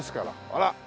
あら！